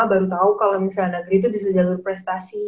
baru tau kalo misalnya negeri tuh bisa jalur prestasi